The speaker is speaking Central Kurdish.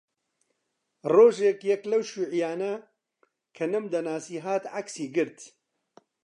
ڕۆژێک یەک لەو شیووعییانە کە نەمدەناسی هات عەکسی گرت